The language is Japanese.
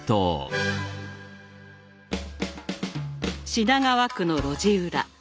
品川区の路地裏。